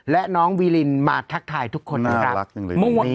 และน้องวีลินมาทักทายทุกคนนะครับ